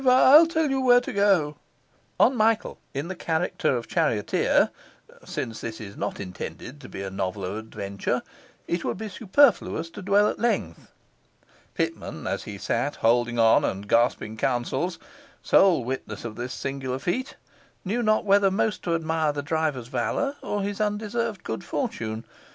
I'll tell you where to go.' On Michael in the character of charioteer (since this is not intended to be a novel of adventure) it would be superfluous to dwell at length. Pitman, as he sat holding on and gasping counsels, sole witness of this singular feat, knew not whether most to admire the driver's valour or his undeserved good fortune.